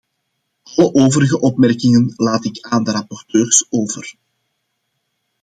Alle overige opmerkingen laat ik aan de rapporteurs over.